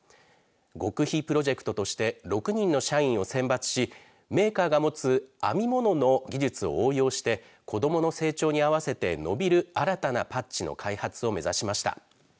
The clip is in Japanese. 極秘プロジェクトとして６人の社員を選抜しメーカーが持つ編み物の技術を応用して子どもの成長に合わせて伸びる新たなパッチの開発を目指しました。